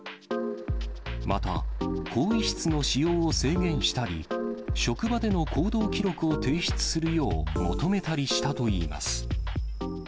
また、更衣室の使用を制限したり、職場での行動記録を提出するよう求めたりしたといいます。